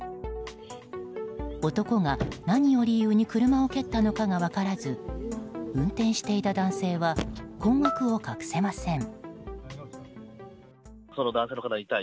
男が何を理由に車を蹴ったのかが分からず運転していた男性は困惑を隠せません。